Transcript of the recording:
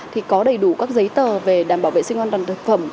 thì có đầy đủ các giấy tờ về đảm bảo vệ sinh an toàn thực phẩm